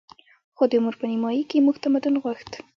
خو د عمر په نیمايي کې موږ تمدن غوښت